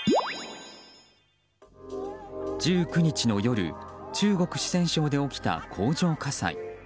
１９日の夜中国・四川省で起きた工場火災。